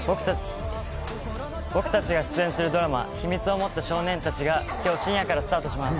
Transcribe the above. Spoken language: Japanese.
僕たちが出演するドラマ『秘密を持った少年たち』がきょう深夜からスタートします。